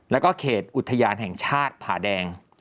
แล้วก็เขตอุทยานแห่งชาติผาแดง